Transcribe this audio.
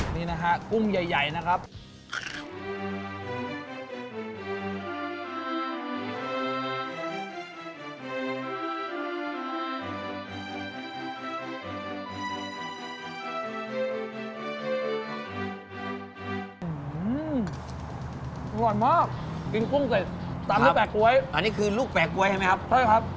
นี่นะฮะกุ้งใหญ่นะครับ